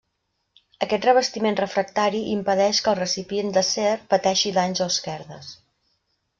Aquest revestiment refractari impedeix que el recipient d'acer pateixi danys o esquerdes.